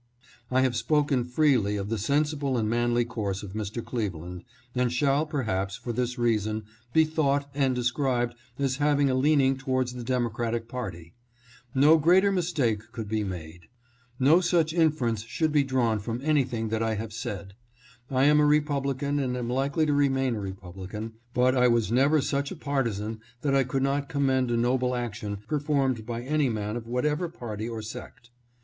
I have spoken freely of the sensible and manly course of Mr. Cleveland, and shall perhaps, for this reason, be thought and described as having a leaning towards the Democratic party. No greater mistake could be made. DECLINE OF STRENGTH IN THE REPUBLICAN PARTY. 649 No such inference should be drawn from anything that I have said. I am a Republican and am likely to remain a Republican, but I was never such a partisan that I could not commend a noble action performed by any man of whatever party or sect.